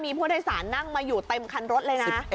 มีผู้โดยสารนั่งมาอยู่เต็มคันรถเลยนะ